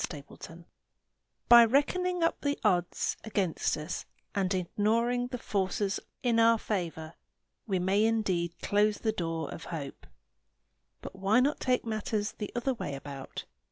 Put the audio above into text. GRAY DAYS By reckoning up the odds against us and ignoring the forces in our favor, we may indeed close the door of hope. But why not take matters the other way about?